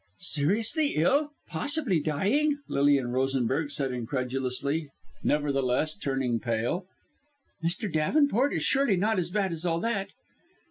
"Seriously ill! possibly dying!" Lilian Rosenberg said incredulously, nevertheless, turning pale. "Mr. Davenport is surely not as bad as all that!"